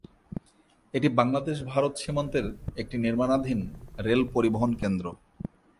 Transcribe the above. এটি বাংলাদেশ-ভারত সীমান্তের একটি নির্মাণাধীন রেল পরিবহন কেন্দ্র।